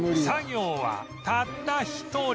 作業はたった一人